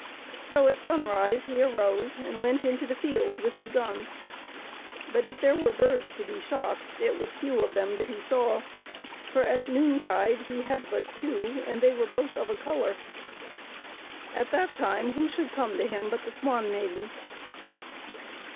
So at sunrise he arose and went into the fields with his gun ; but if there were birds to be shot, it was few of them that he saw ; for at noontide he had but two, and they were both of a color. At that time who should come to him but the Swan Maiden.